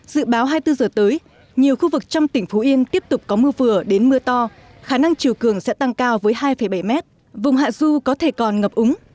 dự báo hai mươi bốn giờ tới nhiều khu vực trong tỉnh phú yên tiếp tục có mưa vừa đến mưa to khả năng chiều cường sẽ tăng cao với hai bảy mét vùng hạ du có thể còn ngập úng